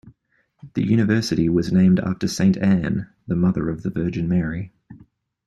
The University was named after Saint Anne, the mother of the Virgin Mary.